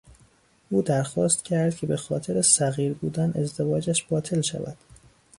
او درخواست کرد که به خاطر صغیر بودن، ازدواجش باطل شود.